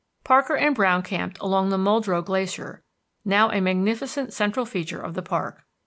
Parker and Browne camped along the Muldrow Glacier, now a magnificent central feature of the park.